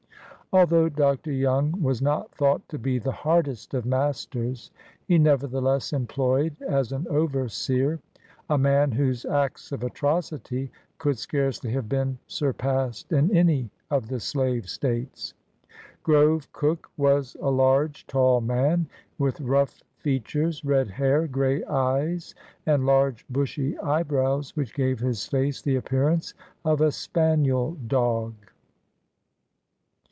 Although Dr. Young was not thought to be the hardest of masters, he nevertheless employed, as an overseer, a man whose acts of atrocity could scarcely have been surpassed in any of the slave States. Grove Cook w r as a large, tall man, with rough features, red hair, grey eyes, and large, bushy eyebrows, which gave his face the appearance of a spaniel clog.